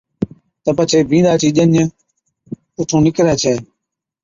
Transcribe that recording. تہ پڇي بِينڏا چِي ڄَڃ اُٺُون نڪري ڇَي